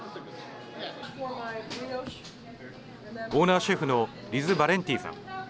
オーナーシェフのリズ・ヴァレンティさん。